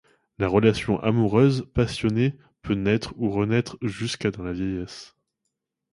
La relation amoureuse passionnée peut naitre ou renaitre jusque dans la vieillesse.